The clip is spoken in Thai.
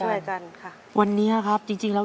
ช่วยกันวันนี้ครับจริงแล้ว